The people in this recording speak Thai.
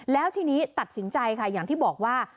แล้วทีนี้ตัดสินใจค่ะอย่างที่บอกว่า